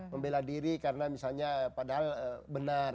membela diri karena misalnya padahal benar